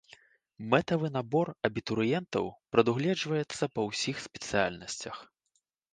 Мэтавы набор абітурыентаў прадугледжваецца па ўсіх спецыяльнасцях.